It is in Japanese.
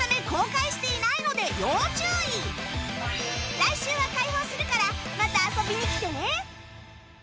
来週は開放するからまた遊びに来てね！